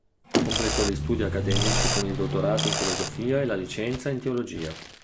Completò gli studi accademici con il dottorato in filosofia e la licenza in teologia.